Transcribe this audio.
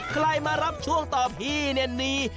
ใครมารับช่วงต่อพี่เนี่ยมี